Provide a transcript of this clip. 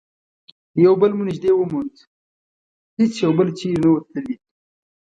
یو بل مو نژدې وموند، هیڅ یو بل چیري نه وو تللي.